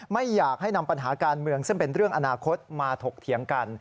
ไม่อยากให้นำปัญหาการเมืองซึ่งเป็นเรื่องอนาคตมาถกเถียงกัน